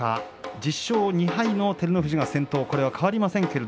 １０勝２敗の照ノ富士先頭これは変わりません。